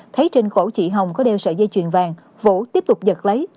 thấy trên khẩu chị hồng có đeo sợi dây chuyền vàng vũ tiếp tục giật lấy